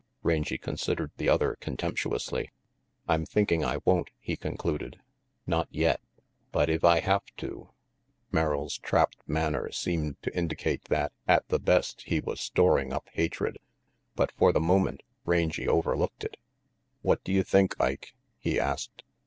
Rangy considered the other contemptuously. "I'm thinking I won't," he concluded. "Not yet. But if I have to !" Merrill's trapped manner seemed to indicate that, at the best, he was storing up hatred. But for the moment, Rangy overlooked it. "What do you think, Ike?" he asked.